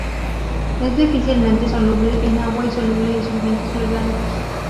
Es difícilmente soluble en agua y soluble en solventes orgánicos.